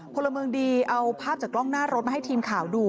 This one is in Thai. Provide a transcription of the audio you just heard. พลเมืองดีเอาภาพจากกล้องหน้ารถมาให้ทีมข่าวดู